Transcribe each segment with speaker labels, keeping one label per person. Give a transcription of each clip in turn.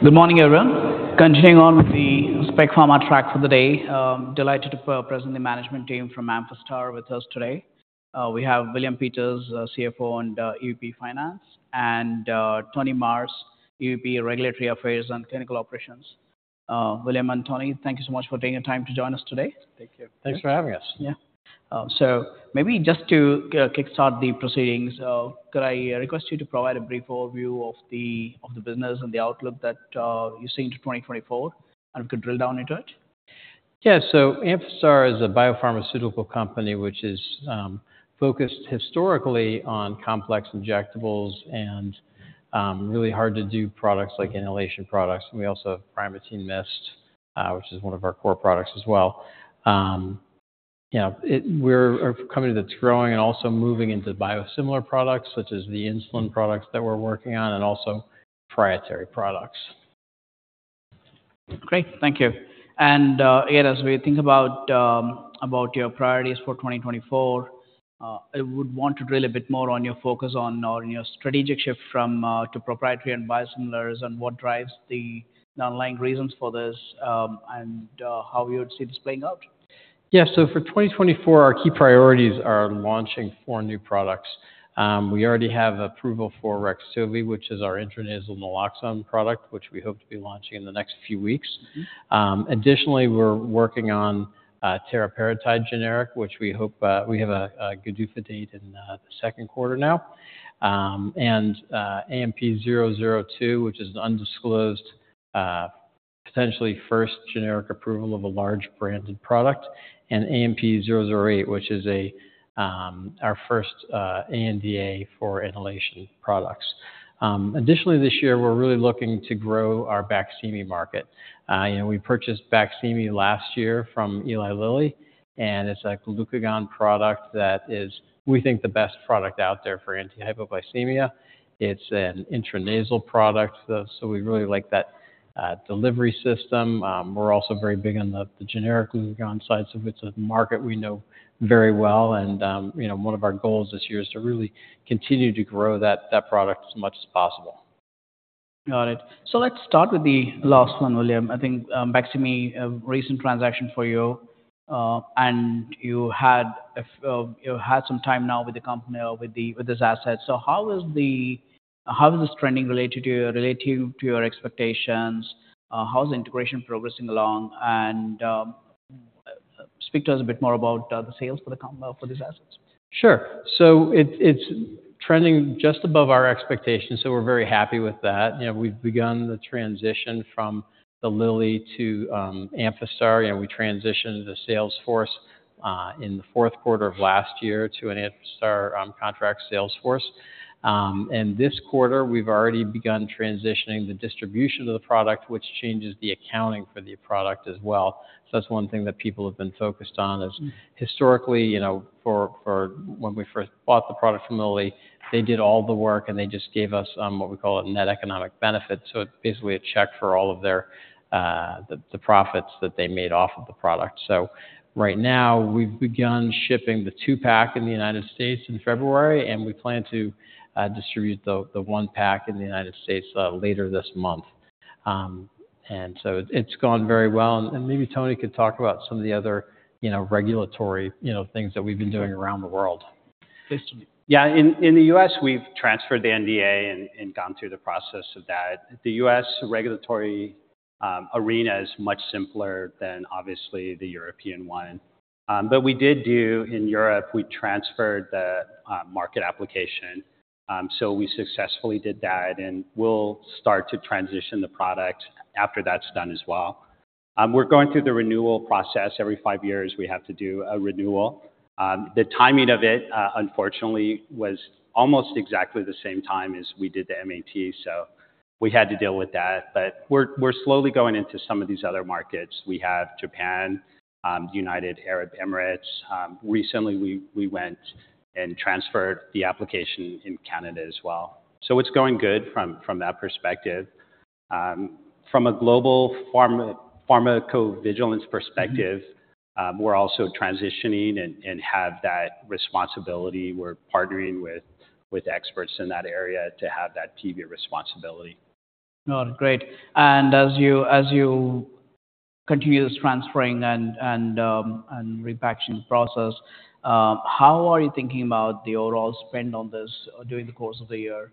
Speaker 1: Good morning, everyone. Continuing on with the Spec Pharma track for the day, delighted to present the management team from Amphastar with us today. We have William Peters, CFO and EVP Finance, and Tony Marrs, EVP Regulatory Affairs and Clinical Operations. William and Tony, thank you so much for taking the time to join us today.
Speaker 2: Thank you.
Speaker 3: Thanks for having us.
Speaker 1: Yeah. So maybe just to kick-start the proceedings, could I request you to provide a brief overview of the business and the outlook that you're seeing to 2024, and if we could drill down into it?
Speaker 3: Yeah. So Amphastar is a biopharmaceutical company which is focused historically on complex injectables and really hard-to-do products like inhalation products. We also have Primatene Mist, which is one of our core products as well. We're a company that's growing and also moving into biosimilar products such as the insulin products that we're working on and also proprietary products.
Speaker 1: Great. Thank you. Again, as we think about your priorities for 2024, I would want to drill a bit more on your focus on or in your strategic shift from proprietary and biosimilars and what drives the underlying reasons for this and how you would see this playing out?
Speaker 3: Yeah. So for 2024, our key priorities are launching four new products. We already have approval for Rextovy, which is our intranasal naloxone product, which we hope to be launching in the next few weeks. Additionally, we're working on teriparatide generic, which we hope we have a good PDUFA date in the second quarter now. And AMP-002, which is an undisclosed, potentially first generic approval of a large branded product. And AMP-008, which is our first ANDA for inhalation products. Additionally, this year, we're really looking to grow our Baqsimi market. We purchased BaqsimiI last year from Eli Lilly, and it's a glucagon product that is, we think, the best product out there for antihypoglycemic. It's an intranasal product, so we really like that delivery system. We're also very big on the generic glucagon side, so it's a market we know very well. One of our goals this year is to really continue to grow that product as much as possible.
Speaker 1: Got it. Let's start with the last one, William. I think Baqsimi, recent transaction for you, and you had some time now with the company or with this asset. How is this trending related to your expectations? How is integration progressing along? And speak to us a bit more about the sales for these assets.
Speaker 3: Sure. So it's trending just above our expectations, so we're very happy with that. We've begun the transition from Lilly to Amphastar. We transitioned the sales force in the fourth quarter of last year to an Amphastar contract sales force. This quarter, we've already begun transitioning the distribution of the product, which changes the accounting for the product as well. So that's one thing that people have been focused on. Historically, when we first bought the product from Lilly, they did all the work, and they just gave us what we call a net economic benefit. So it's basically a check for all of the profits that they made off of the product. So right now, we've begun shipping the two-pack in the United States in February, and we plan to distribute the one-pack in the United States later this month. So it's gone very well. Maybe Tony could talk about some of the other regulatory things that we've been doing around the world.
Speaker 1: Basically.
Speaker 2: Yeah. In the U.S., we've transferred the NDA and gone through the process of that. The U.S. regulatory arena is much simpler than, obviously, the European one. But we did do in Europe, we transferred the market application. So we successfully did that, and we'll start to transition the product after that's done as well. We're going through the renewal process. Every five years, we have to do a renewal. The timing of it, unfortunately, was almost exactly the same time as we did the MAT, so we had to deal with that. But we're slowly going into some of these other markets. We have Japan, United Arab Emirates. Recently, we went and transferred the application in Canada as well. So it's going good from that perspective. From a global pharmacovigilance perspective, we're also transitioning and have that responsibility. We're partnering with experts in that area to have that PV responsibility.
Speaker 1: Got it. Great. And as you continue this transferring and repackaging process, how are you thinking about the overall spend on this during the course of the year?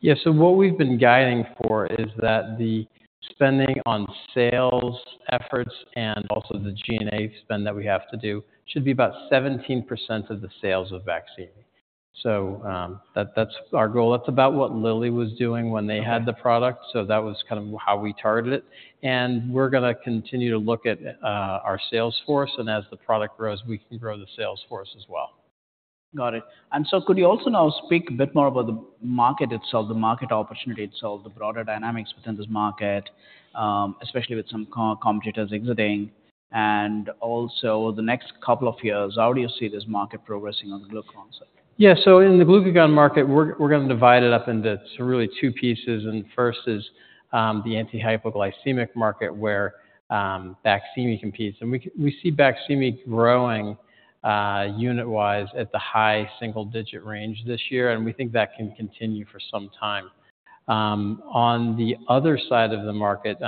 Speaker 3: Yeah. So what we've been guiding for is that the spending on sales efforts and also the G&A spend that we have to do should be about 17% of the sales of BAQSIMI. So that's our goal. That's about what Lilly was doing when they had the product. So that was kind of how we targeted it. And we're going to continue to look at our sales force, and as the product grows, we can grow the sales force as well.
Speaker 1: Got it. And so could you also now speak a bit more about the market itself, the market opportunity itself, the broader dynamics within this market, especially with some competitors exiting? And also, the next couple of years, how do you see this market progressing on the glucagon side?
Speaker 3: Yeah. So in the glucagon market, we're going to divide it up into really two pieces. And the first is the antihypoglycemic market where Baqsimi competes. And we see Baqsimi growing unitwise at the high single-digit range this year, and we think that can continue for some time. On the other side of the market,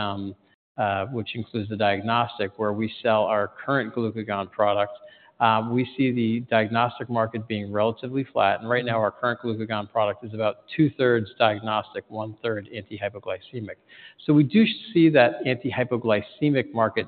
Speaker 3: which includes the diagnostic, where we sell our current glucagon product, we see the diagnostic market being relatively flat. And right now, our current glucagon product is about two-thirds diagnostic, one-third antihypoglycemic. So we do see that antihypoglycemic market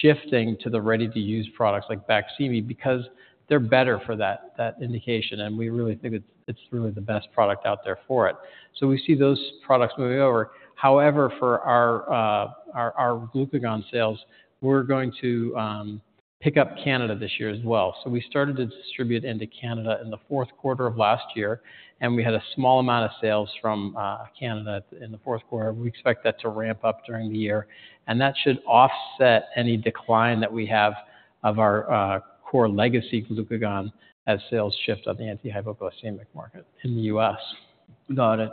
Speaker 3: shifting to the ready-to-use products like Baqsimi because they're better for that indication, and we really think it's really the best product out there for it. So we see those products moving over. However, for our glucagon sales, we're going to pick up Canada this year as well. So we started to distribute into Canada in the fourth quarter of last year, and we had a small amount of sales from Canada in the fourth quarter. We expect that to ramp up during the year, and that should offset any decline that we have of our core legacy glucagon as sales shift on the antihypoglycemic market in the U.S.
Speaker 1: Got it.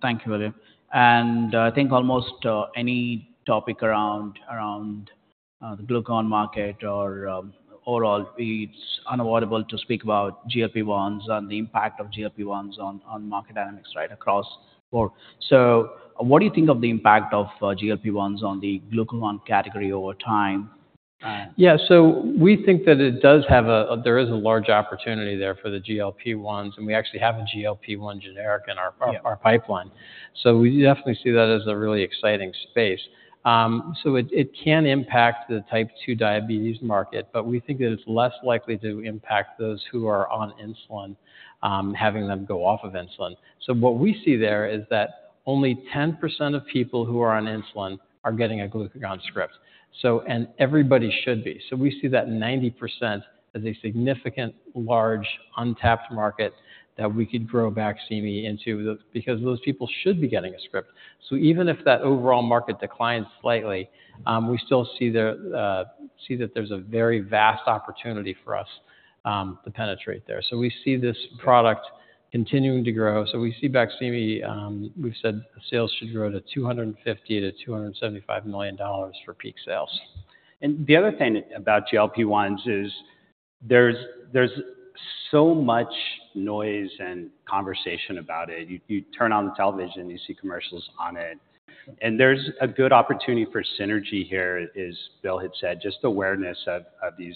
Speaker 1: Thank you, William. I think almost any topic around the glucagon market or overall, it's unavoidable to speak about GLP-1s and the impact of GLP-1s on market dynamics across the board. What do you think of the impact of GLP-1s on the glucagon category over time?
Speaker 2: Yeah. So we think that there is a large opportunity there for the GLP-1s, and we actually have a GLP-1 generic in our pipeline. So we definitely see that as a really exciting space. So it can impact the type 2 diabetes market, but we think that it's less likely to impact those who are on insulin, having them go off of insulin. So what we see there is that only 10% of people who are on insulin are getting a glucagon script, and everybody should be. So we see that 90% as a significant, large, untapped market that we could grow Baqsimi into because those people should be getting a script. So even if that overall market declines slightly, we still see that there's a very vast opportunity for us to penetrate there. So we see this product continuing to grow. We see Baqsimi we've said sales should grow to $250 million-$275 million for peak sales. And the other thing about GLP-1s is there's so much noise and conversation about it. You turn on the television, you see commercials on it. There's a good opportunity for synergy here, as Bill had said, just awareness of these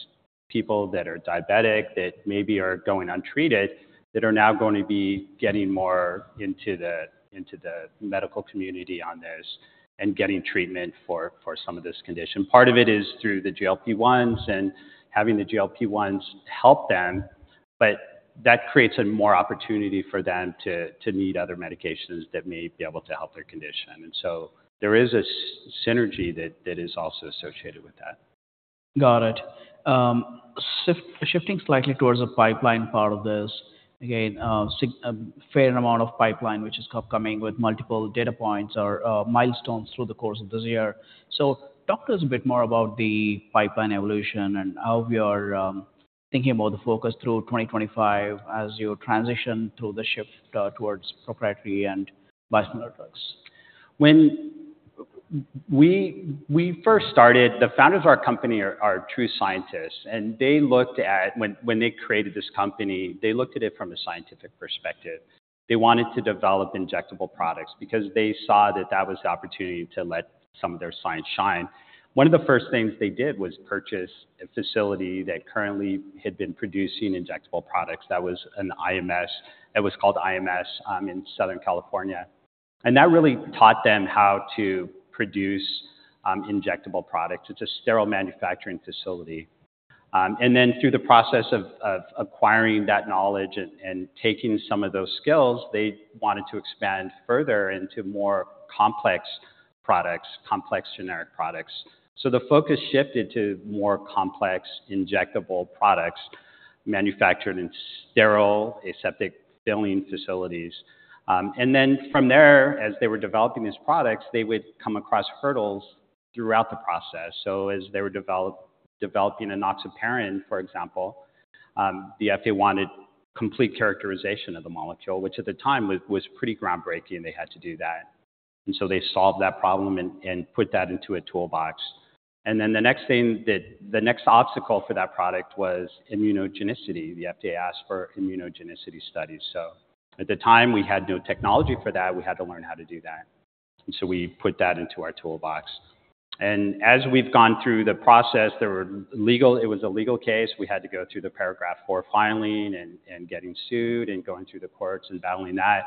Speaker 2: people that are diabetic, that maybe are going untreated, that are now going to be getting more into the medical community on this and getting treatment for some of this condition. Part of it is through the GLP-1s and having the GLP-1s help them, but that creates more opportunity for them to need other medications that may be able to help their condition. So there is a synergy that is also associated with that.
Speaker 1: Got it. Shifting slightly towards the pipeline part of this, again, a fair amount of pipeline, which is coming with multiple data points or milestones through the course of this year. Talk to us a bit more about the pipeline evolution and how you're thinking about the focus through 2025 as you transition through the shift towards proprietary and biosimilar drugs.
Speaker 2: When we first started, the founders of our company are true scientists. When they created this company, they looked at it from a scientific perspective. They wanted to develop injectable products because they saw that that was the opportunity to let some of their science shine. One of the first things they did was purchase a facility that currently had been producing injectable products. That was an IMS. It was called IMS in Southern California. That really taught them how to produce injectable products. It's a sterile manufacturing facility. Through the process of acquiring that knowledge and taking some of those skills, they wanted to expand further into more complex products, complex generic products. The focus shifted to more complex injectable products manufactured in sterile aseptic filling facilities. Then from there, as they were developing these products, they would come across hurdles throughout the process. As they were developing enoxaparin, for example, the FDA wanted complete characterization of the molecule, which at the time was pretty groundbreaking. They had to do that. They solved that problem and put that into a toolbox. The next thing, the next obstacle for that product was immunogenicity. The FDA asked for immunogenicity studies. At the time, we had no technology for that. We had to learn how to do that. We put that into our toolbox. As we've gone through the process, there were legal. It was a legal case. We had to go through the paragraph IV filing and getting sued and going through the courts and battling that.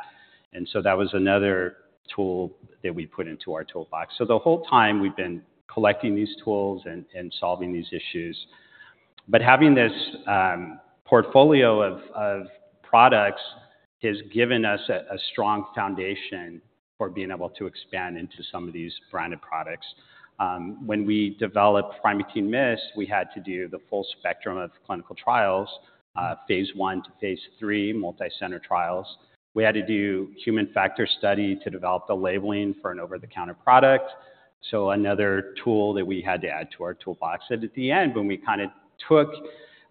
Speaker 2: So that was another tool that we put into our toolbox. So the whole time, we've been collecting these tools and solving these issues. But having this portfolio of products has given us a strong foundation for being able to expand into some of these branded products. When we developed Primatene Mist, we had to do the full spectrum of clinical trials, phase 1 to phase 3, multicenter trials. We had to do human factor study to develop the labeling for an over-the-counter product. So another tool that we had to add to our toolbox. And at the end, when we kind of took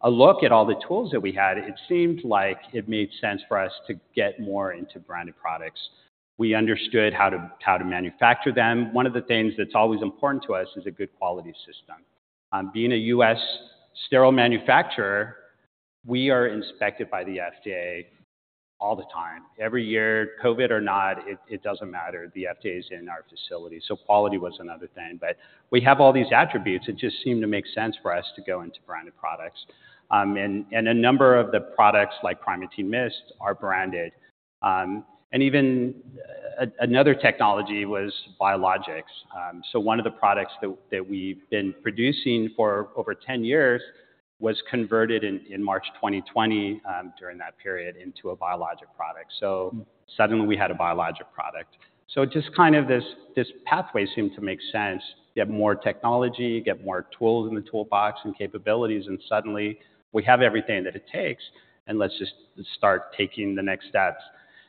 Speaker 2: a look at all the tools that we had, it seemed like it made sense for us to get more into branded products. We understood how to manufacture them. One of the things that's always important to us is a good quality system. Being a U.S. sterile manufacturer, we are inspected by the FDA all the time. Every year, COVID or not, it doesn't matter. The FDA is in our facility. So quality was another thing. But we have all these attributes. It just seemed to make sense for us to go into branded products. And a number of the products like Primatene Mist are branded. And even another technology was biologics. So one of the products that we've been producing for over 10 years was converted in March 2020 during that period into a biologic product. So suddenly, we had a biologic product. So just kind of this pathway seemed to make sense. Get more technology, get more tools in the toolbox and capabilities, and suddenly, we have everything that it takes, and let's just start taking the next steps.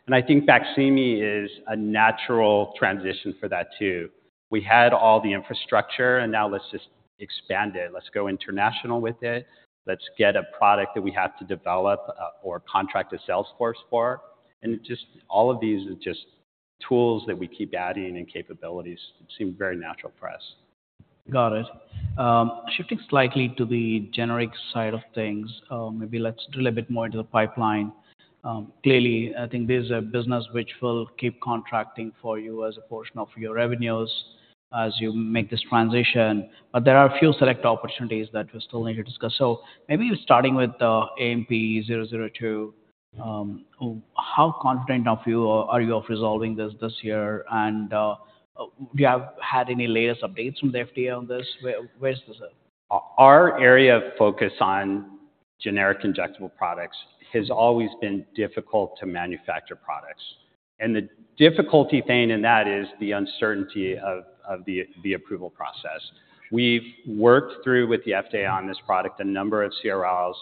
Speaker 2: And I think Baqsimi is a natural transition for that too. We had all the infrastructure, and now let's just expand it. Let's go international with it. Let's get a product that we have to develop or contract a sales force for. And all of these are just tools that we keep adding and capabilities. It seemed very natural for us.
Speaker 1: Got it. Shifting slightly to the generic side of things, maybe let's drill a bit more into the pipeline. Clearly, I think this is a business which will keep contracting for you as a portion of your revenues as you make this transition. But there are a few select opportunities that we still need to discuss. So maybe starting with AMP-002, how confident are you of resolving this year? And have you had any latest updates from the FDA on this? Where's this at?
Speaker 2: Our area of focus on generic injectable products has always been difficult to manufacture products. The difficulty thing in that is the uncertainty of the approval process. We've worked through with the FDA on this product a number of CRLs,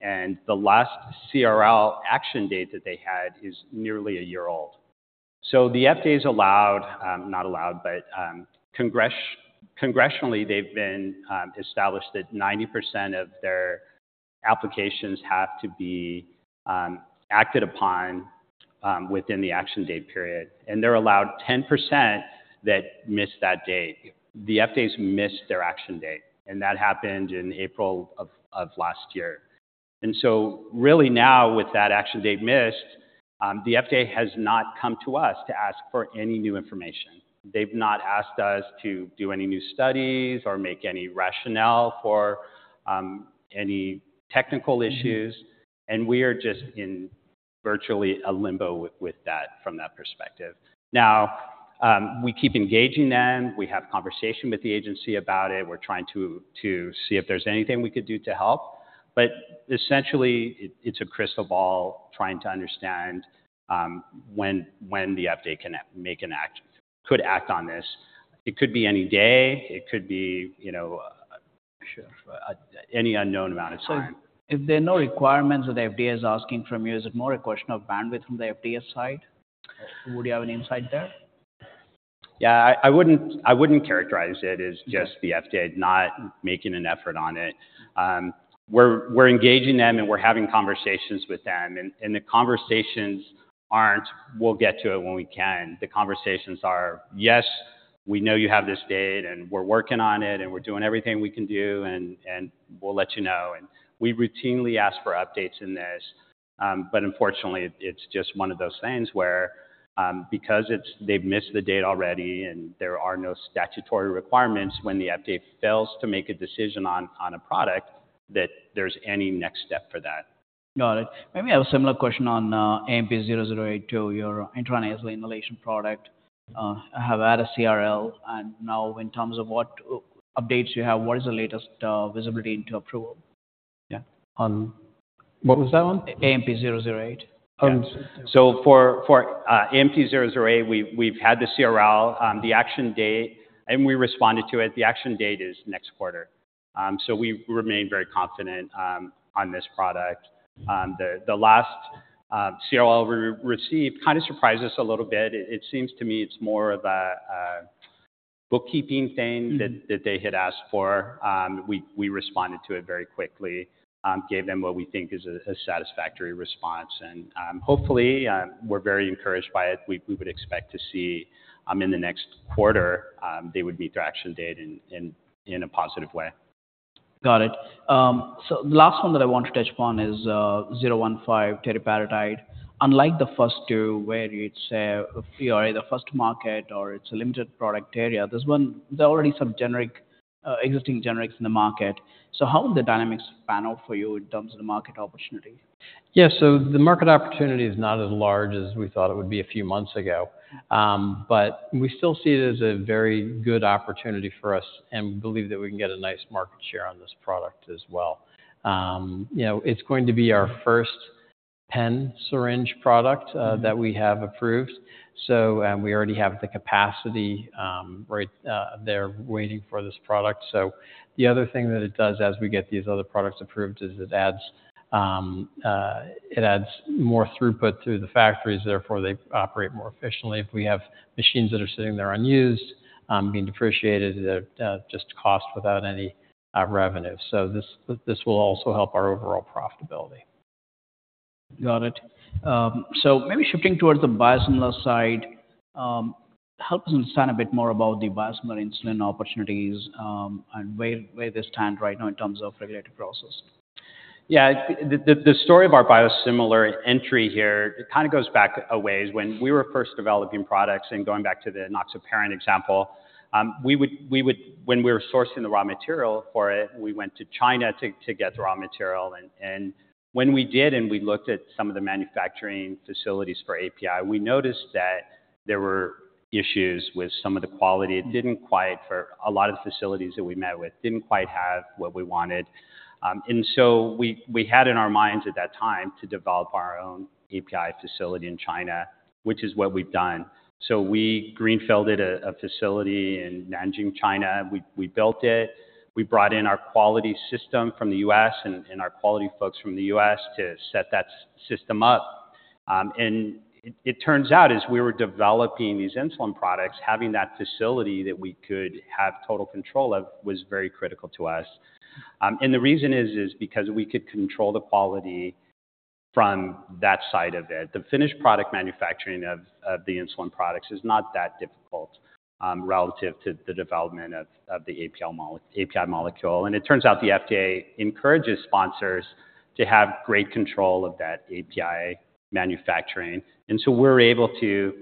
Speaker 2: and the last CRL action date that they had is nearly a year old. The FDA's allowed not allowed, but congressionally, they've been established that 90% of their applications have to be acted upon within the action date period. They're allowed 10% that miss that date. The FDA's missed their action date, and that happened in April of last year. Really now, with that action date missed, the FDA has not come to us to ask for any new information. They've not asked us to do any new studies or make any rationale for any technical issues. We are just virtually a limbo with that from that perspective. Now, we keep engaging them. We have conversation with the agency about it. We're trying to see if there's anything we could do to help. But essentially, it's a crystal ball trying to understand when the FDA could act on this. It could be any day. It could be any unknown amount of time.
Speaker 1: If there are no requirements that the FDA is asking from you, is it more a question of bandwidth from the FDA side? Would you have an insight there?
Speaker 2: Yeah. I wouldn't characterize it as just the FDA not making an effort on it. We're engaging them, and we're having conversations with them. The conversations aren't, "We'll get to it when we can." The conversations are, "Yes, we know you have this date, and we're working on it, and we're doing everything we can do, and we'll let you know." We routinely ask for updates in this. But unfortunately, it's just one of those things where because they've missed the date already and there are no statutory requirements, when the FDA fails to make a decision on a product, that there's any next step for that.
Speaker 1: Got it. Maybe I have a similar question on AMP-008, your intra-nasal inhalation product. I have added a CRL, and now in terms of what updates you have, what is the latest visibility into approval? Yeah.
Speaker 2: What was that one?
Speaker 1: AMP008.
Speaker 2: So for AMP-008, we've had the CRL. The action date, and we responded to it. The action date is next quarter. So we remain very confident on this product. The last CRL we received kind of surprised us a little bit. It seems to me it's more of a bookkeeping thing that they had asked for. We responded to it very quickly, gave them what we think is a satisfactory response. And hopefully, we're very encouraged by it. We would expect to see in the next quarter, they would meet their action date in a positive way.
Speaker 1: Got it. So the last one that I want to touch upon is AMP-015 teriparatide. Unlike the first two, where it's either a first market or it's a limited product area, there's already some existing generics in the market. So how would the dynamics pan out for you in terms of the market opportunity?
Speaker 3: Yeah. So the market opportunity is not as large as we thought it would be a few months ago. But we still see it as a very good opportunity for us, and we believe that we can get a nice market share on this product as well. It's going to be our first pen syringe product that we have approved. So we already have the capacity right there, waiting for this product. So the other thing that it does as we get these other products approved is it adds more throughput through the factories. Therefore, they operate more efficiently. If we have machines that are sitting there unused, being depreciated, they're just cost without any revenue. So this will also help our overall profitability.
Speaker 1: Got it. So maybe shifting towards the biosimilar side, help us understand a bit more about the biosimilar insulin opportunities and where they stand right now in terms of regulatory process?
Speaker 2: Yeah. The story of our biosimilar entry here kind of goes back a ways. When we were first developing products and going back to the enoxaparin example, when we were sourcing the raw material for it, we went to China to get the raw material. And when we did and we looked at some of the manufacturing facilities for API, we noticed that there were issues with some of the quality. A lot of the facilities that we met with didn't quite have what we wanted. And so we had in our minds at that time to develop our own API facility in China, which is what we've done. So we greenfielded a facility in Nanjing, China. We built it. We brought in our quality system from the U.S. and our quality folks from the U.S. to set that system up. It turns out, as we were developing these insulin products, having that facility that we could have total control of was very critical to us. The reason is because we could control the quality from that side of it. The finished product manufacturing of the insulin products is not that difficult relative to the development of the API molecule. It turns out the FDA encourages sponsors to have great control of that API manufacturing. So we're able to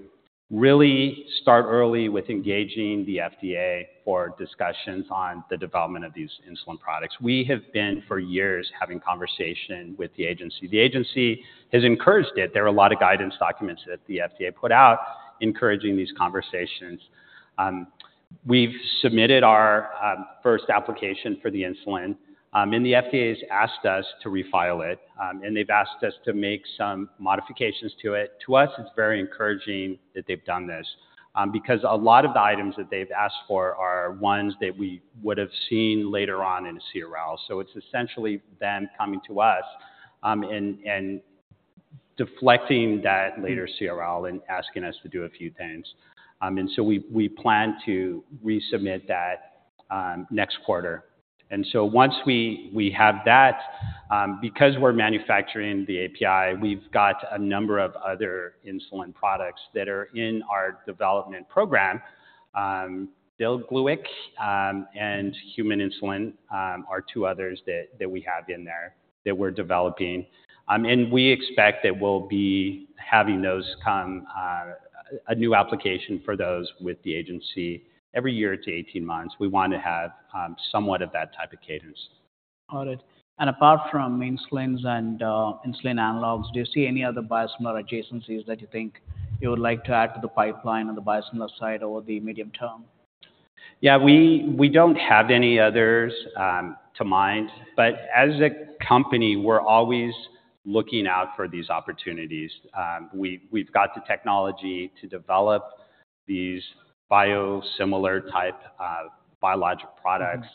Speaker 2: really start early with engaging the FDA for discussions on the development of these insulin products. We have been for years having conversation with the agency. The agency has encouraged it. There are a lot of guidance documents that the FDA put out encouraging these conversations. We've submitted our first application for the insulin. The FDA has asked us to refile it, and they've asked us to make some modifications to it. To us, it's very encouraging that they've done this because a lot of the items that they've asked for are ones that we would have seen later on in a CRL. It's essentially them coming to us and deflecting that later CRL and asking us to do a few things. We plan to resubmit that next quarter. Once we have that, because we're manufacturing the API, we've got a number of other insulin products that are in our development program. glargine and human insulin are two others that we have in there that we're developing. We expect that we'll be having those come a new application for those with the agency every year to 18 months. We want to have somewhat of that type of cadence.
Speaker 1: Got it. Apart from insulins and insulin analogs, do you see any other biosimilar adjacencies that you think you would like to add to the pipeline on the biosimilar side over the medium term?
Speaker 2: Yeah. We don't have any others in mind. But as a company, we're always looking out for these opportunities. We've got the technology to develop these biosimilar type biologic products.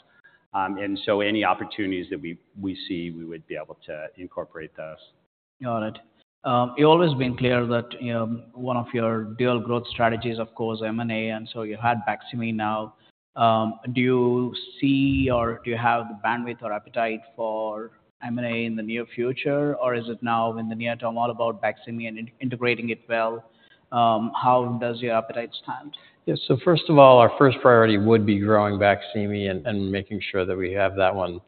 Speaker 2: And so any opportunities that we see, we would be able to incorporate those.
Speaker 1: Got it. It's always been clear that one of your dual growth strategies, of course, is M&A. And so you had Baqsimi now. Do you see or do you have the bandwidth or appetite for M&A in the near future, or is it now in the near term all about Baqsimi and integrating it well? How does your appetite stand?
Speaker 3: Yeah. So first of all, our first priority would be growing BAQSIMI and making sure that we have that one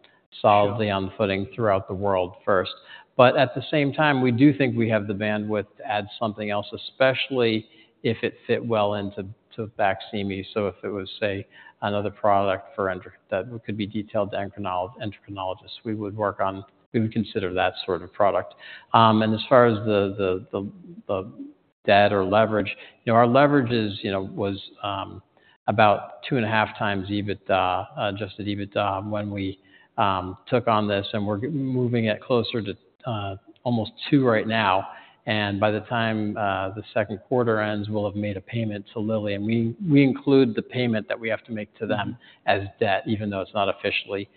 Speaker 3: solidly on the footing throughout the world first. But at the same time, we do think we have the bandwidth to add something else, especially if it fit well into BAQSIMI. So if it was, say, another product that could be detailed to endocrinologists, we would consider that sort of product. As far as the debt or leverage, our leverage was about two and a half times just at EBITDA when we took on this. And we're moving it closer to almost two right now. And by the time the second quarter ends, we'll have made a payment to Lilly. And we include the payment that we have to make to them as debt, even though it's not officially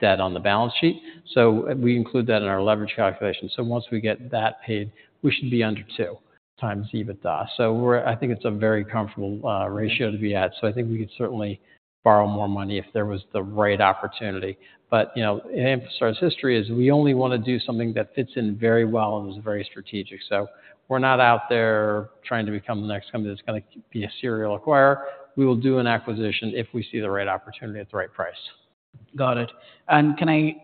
Speaker 3: debt on the balance sheet. So we include that in our leverage calculation. So once we get that paid, we should be under 2x EBITDA. So I think it's a very comfortable ratio to be at. So I think we could certainly borrow more money if there was the right opportunity. But Amphastar's history is we only want to do something that fits in very well and is very strategic. So we're not out there trying to become the next company that's going to be a serial acquirer. We will do an acquisition if we see the right opportunity at the right price.
Speaker 1: Got it. Can I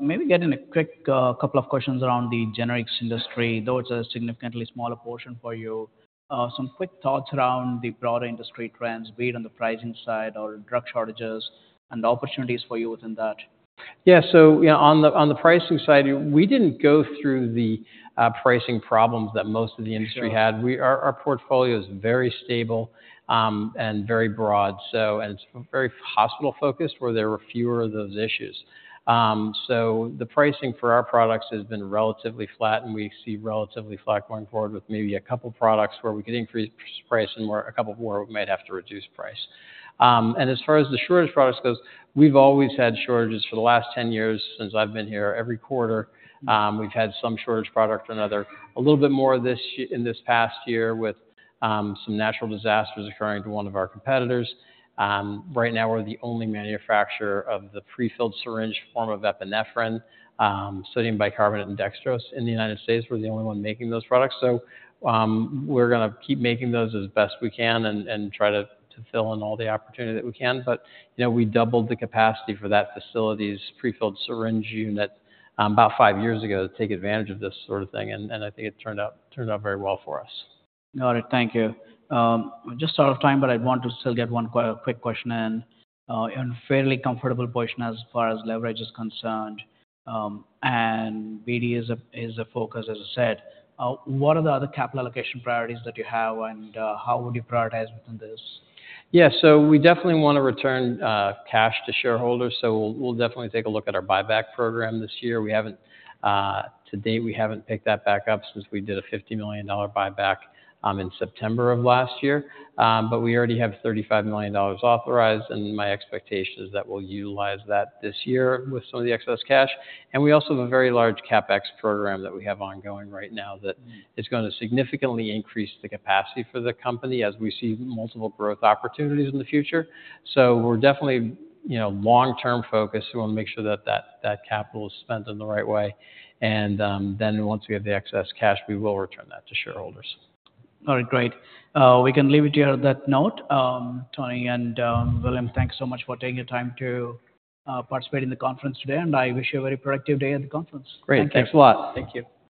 Speaker 1: maybe get in a quick couple of questions around the generics industry, though it's a significantly smaller portion for you? Some quick thoughts around the broader industry trends, be it on the pricing side or drug shortages and opportunities for you within that.
Speaker 3: Yeah. So on the pricing side, we didn't go through the pricing problems that most of the industry had. Our portfolio is very stable and very broad. And it's very hospital-focused where there were fewer of those issues. So the pricing for our products has been relatively flat, and we see relatively flat going forward with maybe a couple of products where we could increase price and a couple more we might have to reduce price. And as far as the shortage products goes, we've always had shortages for the last 10 years since I've been here. Every quarter, we've had some shortage product or another. A little bit more in this past year with some natural disasters occurring to one of our competitors. Right now, we're the only manufacturer of the prefilled syringe form of epinephrine, sodium bicarbonate, and dextrose. In the United States, we're the only one making those products. So we're going to keep making those as best we can and try to fill in all the opportunity that we can. But we doubled the capacity for that facility's prefilled syringe unit about five years ago to take advantage of this sort of thing. And I think it turned out very well for us.
Speaker 1: Got it. Thank you. We're just out of time, but I'd want to still get one quick question in, a fairly comfortable position as far as leverage is concerned. And BD is a focus, as I said. What are the other capital allocation priorities that you have, and how would you prioritize within this?
Speaker 3: Yeah. So we definitely want to return cash to shareholders. So we'll definitely take a look at our buyback program this year. To date, we haven't picked that back up since we did a $50 million buyback in September of last year. But we already have $35 million authorized. And my expectation is that we'll utilize that this year with some of the excess cash. And we also have a very large CapEx program that we have ongoing right now that is going to significantly increase the capacity for the company as we see multiple growth opportunities in the future. So we're definitely long-term focused. We want to make sure that that capital is spent in the right way. And then once we have the excess cash, we will return that to shareholders.
Speaker 1: All right. Great. We can leave it here at that note. Tony and William, thanks so much for taking your time to participate in the conference today. I wish you a very productive day at the conference.
Speaker 3: Great. Thanks a lot.
Speaker 1: Thank you.